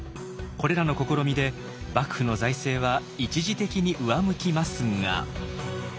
これらの試みで幕府の財政は一時的に上向きますが。